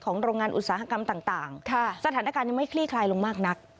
โรงงานอุตสาหกรรมต่างสถานการณ์ยังไม่คลี่คลายลงมากนัก